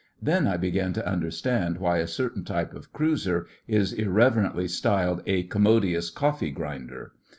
Then I began to understand why a certain type of cruiser is irreverently styled 'a commodious coffee grinder.